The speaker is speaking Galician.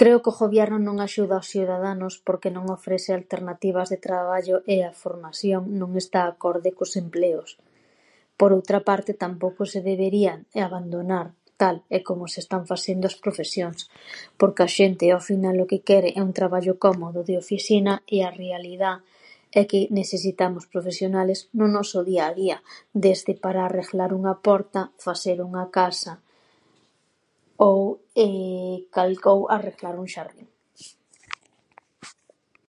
Creo que o ghobierno non axuda aos siudadanos porque non ofrese alternativas de traballo e a formasión non está acorde cos empleos. Por outra parte, tampouco se deberían de abandonar, tal e como se están fasendo, as profesións porque a xente, ao final, o que quere é un traballo cómodo, de ofisina, e a realidá é que nesesitamos profesionales no noso día a día desde para arreghlar unha porta, faser unha casa ou cal cou- arreghlar un xardín.